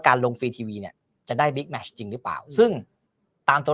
ลงฟรีทีวีเนี่ยจะได้บิ๊กแมชจริงหรือเปล่าซึ่งตามตัว